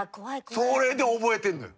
それで覚えてんのよ。